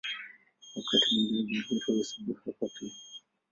Wakati mwingine Bulgaria huhesabiwa hapa pia.